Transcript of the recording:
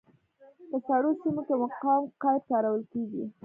په سړو سیمو کې مقاوم قیر کارول کیږي